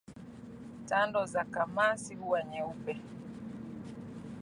Tando za kamasi kuwa nyeupe